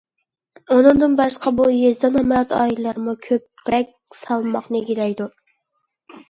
ئۇنىڭدىن باشقا بۇ يېزىدا نامرات ئائىلىلەرمۇ كۆپرەك سالماقنى ئىگىلەيدۇ.